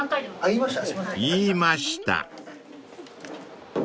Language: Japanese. ［言いました］